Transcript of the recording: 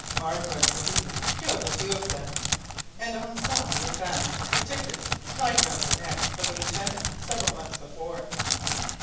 Marbre and Sabine killed a few of them, and on some were found the tickets tied round their necks by the Lieutenant several months before.